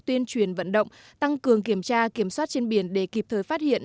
tuyên truyền vận động tăng cường kiểm tra kiểm soát trên biển để kịp thời phát hiện